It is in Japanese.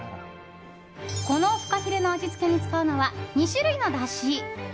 このフカヒレの味付けに使うのは２種類のだし。